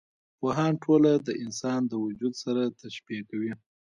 پوهان ټولنه د انسان د وجود سره تشبي کوي.